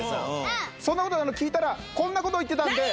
そんなことを聞いたらこんなこと言ってたんで。